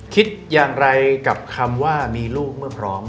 คิดอย่างไรกับคำว่ามีลูกเมื่อพร้อม